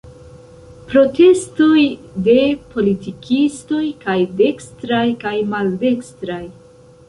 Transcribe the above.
Protestoj de politikistoj, kaj dekstraj kaj maldekstraj.